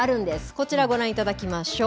こちらご覧いただきましょう。